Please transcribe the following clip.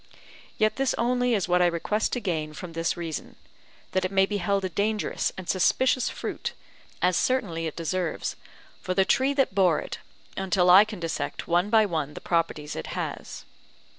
Yet this only is what I request to gain from this reason, that it may be held a dangerous and suspicious fruit, as certainly it deserves, for the tree that bore it, until I can dissect one by one the properties it has.